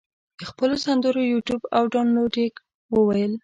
د خپلو سندرو یوټیوب او دانلود یې وویل.